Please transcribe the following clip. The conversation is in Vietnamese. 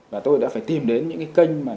và tôi đã phải tìm đến những cái kênh mà